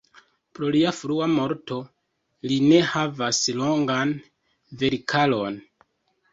Pro lia frua morto li ne havas longan verkaron.